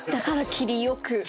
切り良く。